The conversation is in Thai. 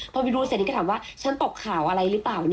พอไม่รู้เสร็จนี่ก็ถามว่าฉันตกข่าวอะไรหรือเปล่า